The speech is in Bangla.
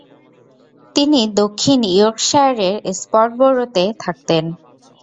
তিনি দক্ষিণ ইয়র্কশায়ারের স্প্রটবরোতে থাকতেন।